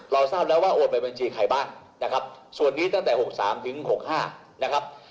เราทราบแล้วว่าโอนไปบัญชีใครบ้างส่วนนี้ตั้งแต่๖๓๖๕นะครับ